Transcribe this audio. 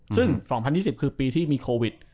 ซึ่ง๒๐๒๐คือปีที่มีโควิด